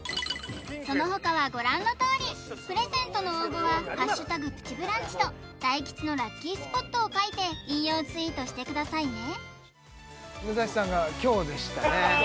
そのほかはご覧のとおりプレゼントの応募は「＃プチブランチ」と大吉のラッキースポットを書いて引用ツイートしてくださいね武蔵さんが凶でしたね